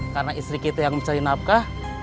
karena istri kita yang mencari nafkah